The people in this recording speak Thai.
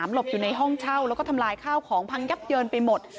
หลบอยู่ในห้องเช่าแล้วก็ทำลายข้าวของพังยับเยินไปหมด